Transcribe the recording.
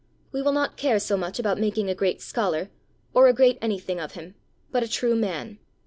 We will not care so much about making a great scholar, or a great anything of him, but a true man.